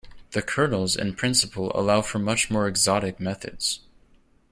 The kernels in principle allow for much more exotic methods.